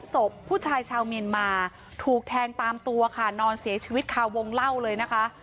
ศพผู้ชายชาวเมียนมาถูกแทงตามตัวค่ะนอนเสียชีวิตคาวงเล่าเลยนะคะ